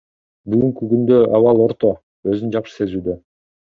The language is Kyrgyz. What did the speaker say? Бүгүнкү күндө абалы орто, өзүн жакшы сезүүдө.